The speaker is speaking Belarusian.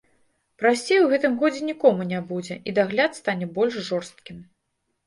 Прасцей у гэтым годзе нікому не будзе, і дагляд стане больш жорсткім.